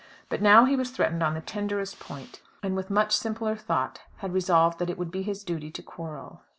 But now he was threatened on the tenderest point; and with much simpler thought had resolved that it would be his duty to quarrel.